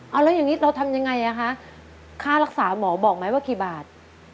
เอ้าแล้วอย่างนี้เราทำยังไงคะภารกษาหมอบอกมั้ยว่าคี่บาท